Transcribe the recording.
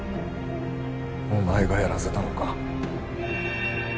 お前がやらせたのか？